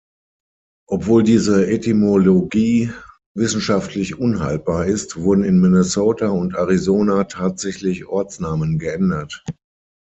Obwohl diese Etymologie wissenschaftlich unhaltbar ist, wurden in Minnesota und Arizona tatsächlich Ortsnamen geändert.